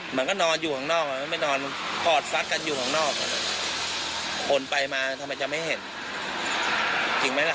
มันก็นอนอยู่ข้างนอกไม่นอนกอดฟักกันอยู่ข้างนอกคนไปมาทำไมจะไม่เห็นจริงไหมล่ะ